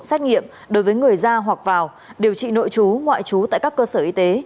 xét nghiệm đối với người ra hoặc vào điều trị nội chú ngoại trú tại các cơ sở y tế